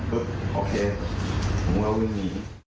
ก็โอเคผมก็วิ่งหนี